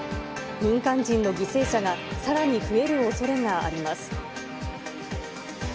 民間人の犠牲者がさらに増えるおそれがあります。